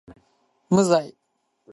無罪